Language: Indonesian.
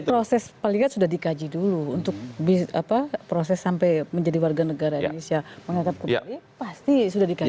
proses palingat sudah dikaji dulu untuk proses sampai menjadi warga negara indonesia menghadap kembali pasti sudah dikaji